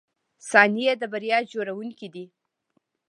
• ثانیې د بریا جوړونکي دي.